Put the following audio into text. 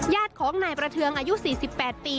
ญาติของนายประเทืองอายุ๔๘ปี